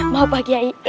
mau pak giai